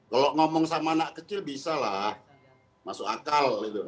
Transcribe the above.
kalau ngomong sama anak kecil bisa lah masuk akal